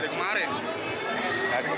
ya dari kemarin